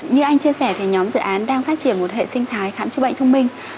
như anh chia sẻ thì nhóm dự án đang phát triển một hệ sinh thái khám chữa bệnh thông minh